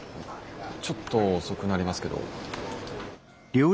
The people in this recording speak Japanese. ちょっと遅くなりますけど。